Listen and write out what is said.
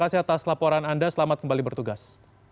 selamat datang kembali di wbk